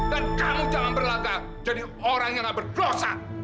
dan kamu jangan berlangkah jadi orang yang berdosa